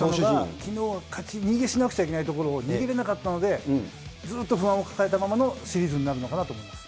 きのうは、勝ち逃げしなきゃいけないところを逃げれなかったので、ずっと不安を抱えたままのシリーズになるのかなと思いますね。